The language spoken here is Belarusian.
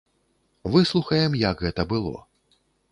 Выслухаем, як гэта было.